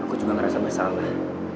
aku juga ngerasa bersalah